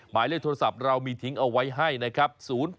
หมายเลขโทรศัพท์เรามีทิ้งเอาไว้ให้นะครับ